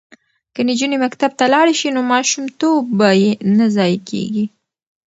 که نجونې مکتب ته لاړې شي نو ماشوم توب به یې نه ضایع کیږي.